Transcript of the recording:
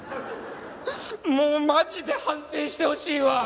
もうマジで反省してほしいわ！